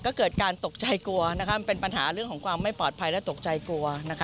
ก็เกิดการตกใจกลัวมันเป็นปัญหาเรื่องของความไม่ปลอดภัยและตกใจกลัว